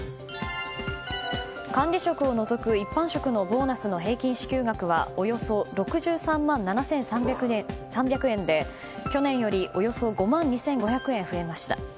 管理職を除く一般職のボーナスの平均支給額はおよそ６３万７３００円で去年よりおよそ５万２５００円増えました。